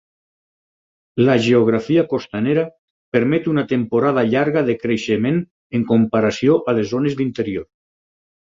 La geografia costanera permet una temporada llarga de creixement en comparació a les zones d'interior.